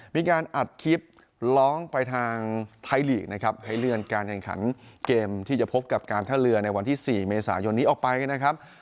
มีการอัดคลิปร้องไปทางไทยลีกนะครับให้เลื่อนการแข่งขันเกมที่จะพบกับการท่าเรือในวันที่๔เมษายนนี้ออกไปนะครับ